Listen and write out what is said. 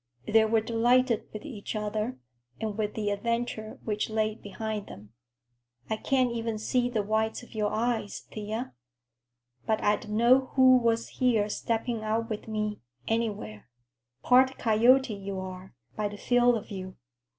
They were delighted with each other and with the adventure which lay behind them. "I can't even see the whites of your eyes, Thea. But I'd know who was here stepping out with me, anywhere. Part coyote you are, by the feel of you.